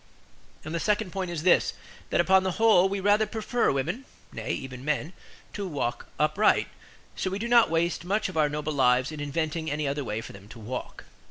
And the second point is this: that upon the whole we rather prefer women (nay, even men) to walk upright; so we do not waste much of our noble lives in inventing any other way for them to walk.